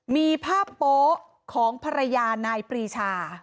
มีภาพโป๊ะของภรรยานายปรีชา